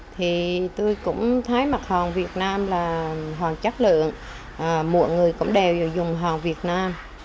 thì tôi cũng thấy mặt hàng việt nam là hàng chất lượng mọi người cũng đều dùng hàng việt nam